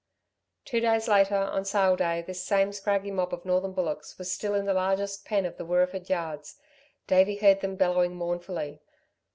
Two days later, on sale day, this same scraggy mob of northern bullocks was still in the largest pen of the Wirreeford yards. Davey heard them bellowing mournfully.